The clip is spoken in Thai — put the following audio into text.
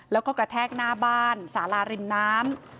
แล้วก็กระแทกหน้าบ้านสาราริมน้ำ